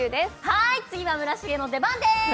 はーい次は村重の出番です